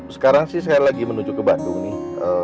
sekarang sih sekali lagi menuju ke bandung nih